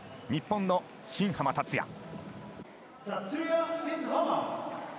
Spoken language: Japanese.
日本の新濱立也。